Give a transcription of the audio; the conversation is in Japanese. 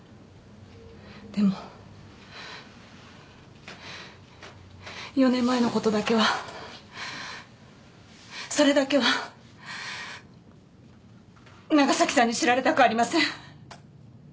でも４年前の事だけはそれだけは長崎さんに知られたくありません！